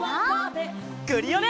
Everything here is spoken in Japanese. クリオネ！